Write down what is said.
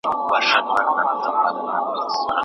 اوس هغه جنډۍ له ویري دي سرټیټي